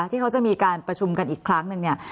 ที่เขาจะมีการประชุมกันอีกครั้งหนึ่งเนี่ย